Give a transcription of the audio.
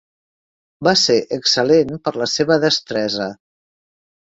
Va ser excel·lent per la seva destresa.